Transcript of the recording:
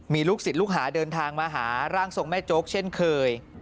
มีลูกศิษย์ลูกหาเดินทางมาหาร่างทรงแม่โจ๊กเช่นเคย